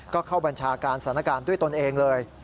ก็เข้าบัญชาการสถานการณ์ด้วยตนเองเลย